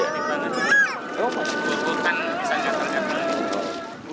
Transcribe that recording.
iya di pinggir